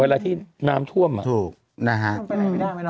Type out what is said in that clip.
เวลาที่น้ำท่วมอ่ะถูกนะฮะไปไหนไม่ได้ไหมเนอะ